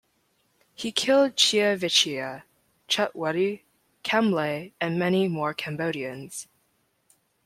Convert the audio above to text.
He killed Chea Vichea, Chut Wutty, Kem Ley, and many more Cambodians.